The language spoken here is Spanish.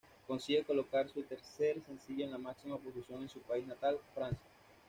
Consigue colocar su tercer sencillo en la máxima posición en su país natal, Francia.